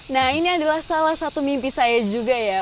nah ini adalah salah satu mimpi saya juga ya